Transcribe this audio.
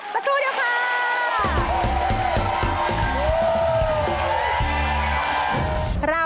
สุดยอด